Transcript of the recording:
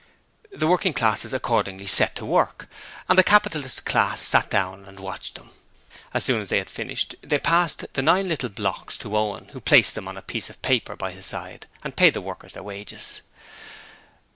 The Working Classes accordingly set to work, and the Capitalist class sat down and watched them. As soon as they had finished, they passed the nine little blocks to Owen, who placed them on a piece of paper by his side and paid the workers their wages.